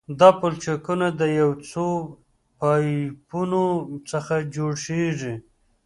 دا پلچکونه د یو یا څو پایپونو څخه جوړیږي